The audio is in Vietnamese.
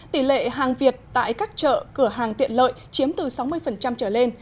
tỷ lệ hàng việt tại các chợ cửa hàng tiện lợi chiếm từ sáu mươi trở lên